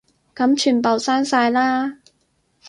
噉全部刪晒啦